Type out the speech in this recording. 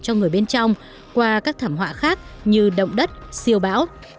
cho người bên trong qua các thảm họa khác như động đất siêu bão